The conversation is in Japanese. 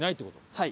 はい。